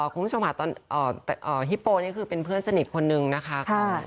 คุณผู้ชมค่ะตอนฮิปโปนี่คือเป็นเพื่อนสนิทคนนึงนะคะ